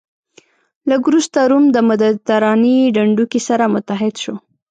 لږ وروسته روم د مدترانې ډنډوکی سره متحد شو.